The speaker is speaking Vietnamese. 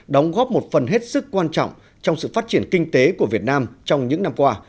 đóng góp một phần hết sức quan trọng trong sự phát triển kinh tế của việt nam trong những năm qua